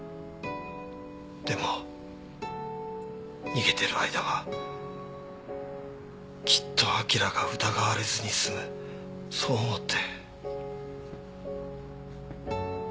でも逃げてる間はきっとアキラが疑われずに済むそう思って。